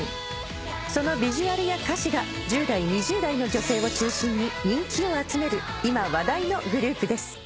［そのビジュアルや歌詞が１０代２０代の女性を中心に人気を集める今話題のグループです］